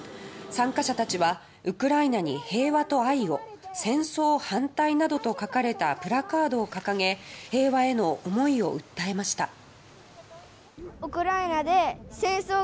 参加者たちはウクライナに平和と愛を戦争反対などと書かれたプラカードを掲げ平和への思いを訴えました。